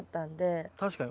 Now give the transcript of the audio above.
確かに。